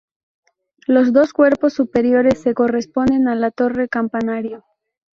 Los dos cuerpos superiores se corresponden a la torre campanario.